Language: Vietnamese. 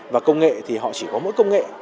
và công nghệ thì họ chỉ có mỗi công nghệ